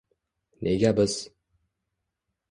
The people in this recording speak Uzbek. Nega biz —